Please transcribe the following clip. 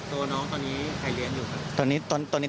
ตัวน้องตอนนี้ใครเลี้ยงอยู่ครับ